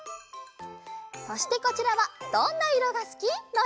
そしてこちらは「どんな色がすき」のえ。